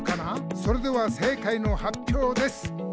「それではせいかいのはっぴょうです！」